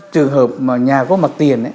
trường hợp mà nhà có mặt tiền